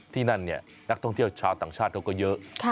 ที่นั่นเนี่ยนักท่องเที่ยวชาวต่างชาติเขาก็เยอะ